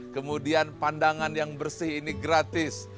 kemudian pandangan yang bersih ini gratis